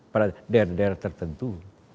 pada daerah daerah tertentu